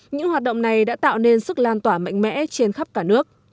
những hoạt động này đã tạo nên sức lan tỏa mạnh mẽ trên khắp cả nước